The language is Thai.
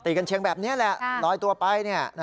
กันเชียงแบบนี้แหละลอยตัวไป